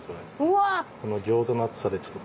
うわ！